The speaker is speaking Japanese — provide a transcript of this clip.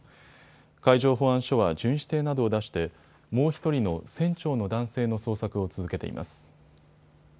海上保安署は巡視艇などを出してもう１人の船長の男性の捜索を続けています。